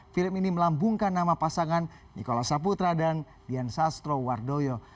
film ini melambungkan nama pasangan nikola saputra dan dian sastro wardoyo